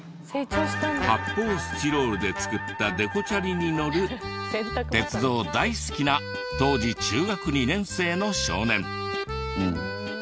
発泡スチロールで作ったデコチャリに乗る鉄道大好きな当時中学２年生の少年。